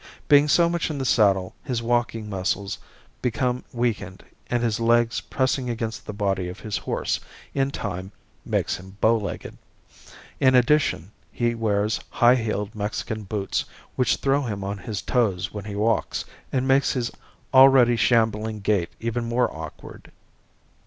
Being so much in the saddle his walking muscles become weakened, and his legs pressing against the body of his horse, in time, makes him bowlegged. In addition he wears high heeled Mexican boots which throw him on his toes when he walks and makes his already shambling gait even more awkward.